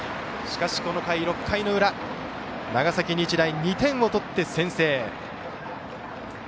しかしこの回、６回の裏長崎日大、２点を取って先制。